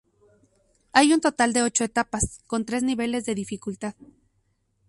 Hay un total de ocho etapas, con tres niveles de dificultad.